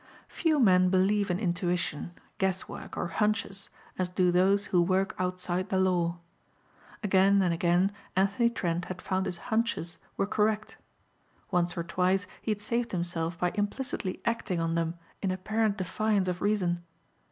Few men believe in intuition, guess work or "hunches" as do those who work outside the law. Again and again Anthony Trent had found his "hunches" were correct. Once or twice he had saved himself by implicitly acting on them in apparent defiance of reason.